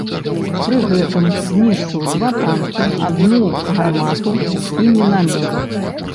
Пры гэтым знішчыў два танкі, адну гармату і мінамёт.